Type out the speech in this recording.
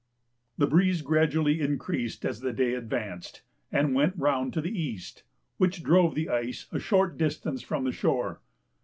The breeze gradually increased as the day advanced, and went round to the east, which drove the ice a short distance from the shore.